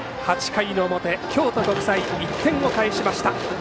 ８回の表、京都国際１点を返しました。